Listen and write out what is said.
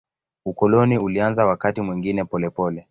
Ukoloni ulianza wakati mwingine polepole.